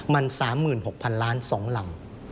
มัน๓๖๐๐๐ล้าน๒ลำ